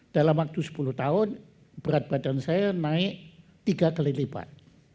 dalam waktu sepuluh tahun berat badan saya naik tiga kali lipat